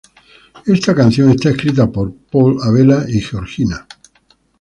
Esta canción está escrita por Paul Abela y Georgina.